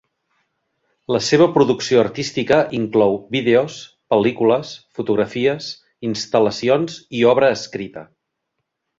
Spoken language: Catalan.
La seva producció artística inclou vídeos, pel·lícules, fotografies, instal·lacions i obra escrita.